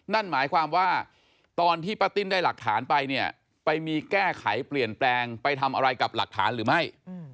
นั่นหมายความว่าตอนที่ป้าติ้นได้หลักฐานไปเนี่ยไปมีแก้ไขเปลี่ยนแปลงไปทำอะไรกับหลักฐานหรือไม่